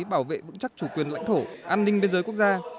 bảo vệ vững chắc chủ quyền lãnh thổ an ninh biên giới quốc gia